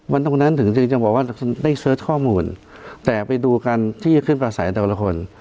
ตรงนั้นถึงจะบอกว่าได้เสิร์ชข้อมูลแต่ไปดูกันที่จะขึ้นประสัยแต่ละคน